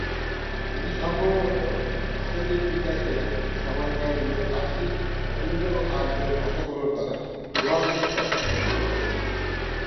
এটি সম্ভবত ভাষাটির বিকাশের সময়কাল জুড়ে ফার্সি এবং ইন্দো-আর্য ভাষাগুলোর দ্বারা প্রভাবিত হওয়ার ফলস্বরূপ ঘটেছে।